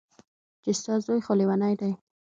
چې ستا زوى خو ليونۍ دى.